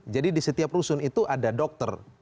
jadi di setiap rusun itu ada dokter